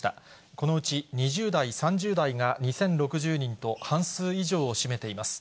このうち２０代、３０代が２０６０人と、半数以上を占めています。